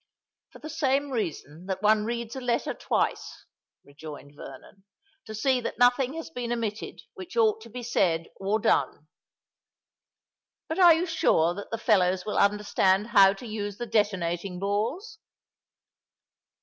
"For the same reason that one reads a letter twice," rejoined Vernon,—"to see that nothing has been omitted which ought to be said or done. But are you sure that the fellows will understand how to use the detonating balls?"